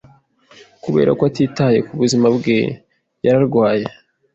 Kubera ko atitaye ku buzima bwe, yararwaye.